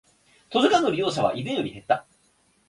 図書館の利用者は以前より減った